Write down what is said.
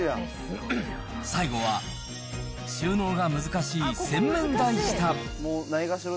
最後は、収納が難しい洗面台下。